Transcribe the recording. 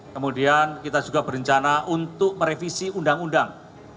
kemudian kita juga berencana untuk merevisi undang undang